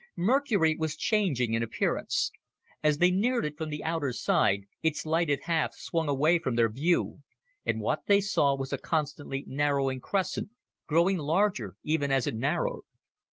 Mercury was changing in appearance. As they neared it from the outer side, its lighted half swung away from their view, and what they saw was a constantly narrowing crescent, growing larger even as it narrowed.